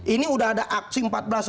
ini udah ada aksi empat belas